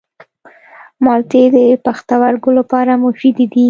مالټې د پښتورګو لپاره مفیدې دي.